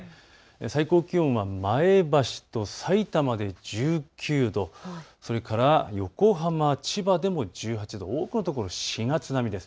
最高気温は前橋とさいたまで１９度、それから横浜、千葉でも１８度、多くのところ４月並みです。